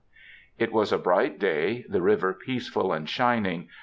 It was a bright day, the river peaceful and shining.